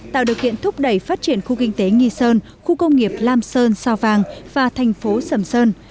tạo điều kiện thúc đẩy phát triển khu kinh tế nghi sơn khu công nghiệp lam sơn sao vàng và thành phố sầm sơn